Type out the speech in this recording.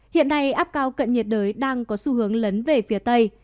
hiện nay áp cao cận nhiệt đới đang có xu hướng lấn về phía tây